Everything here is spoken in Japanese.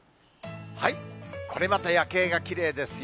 これまた夜景がきれいですよ